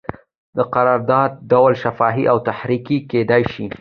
د قرارداد ډول شفاهي او تحریري کیدی شي.